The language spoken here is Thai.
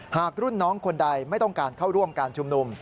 หากรุ่นน้องคนใดไม่ต้องการเข้าร่วมการชุมนุม